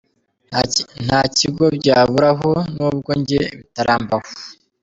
Nta kigo byaburaho nubwo njye bitarambaho.